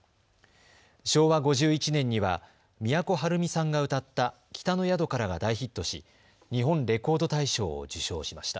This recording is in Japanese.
昭和５１年には都はるみさんが歌った北の宿からが大ヒットし、日本レコード大賞を受賞しました。